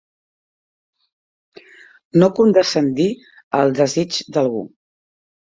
No condescendir als desigs d'algú.